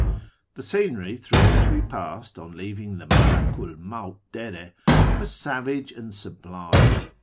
The scenery through which we passed on leaving the Malaku '1 Mawt Dere was savage and sublime.